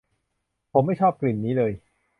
ผมไม่ชอบกลิ่นนี้เลย